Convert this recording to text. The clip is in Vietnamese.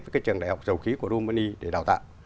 với cái trường đại học dầu khí của kumani để đào tạo